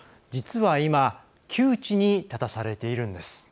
実は、今窮地に立たされているんです。